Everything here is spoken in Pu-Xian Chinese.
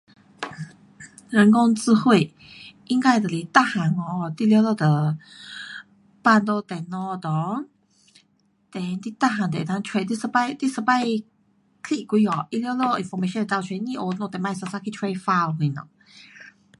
人工智慧就是把全部资料收在电脑里 then 你全部都能够你一次去几下就全部跑出来。不像我们以前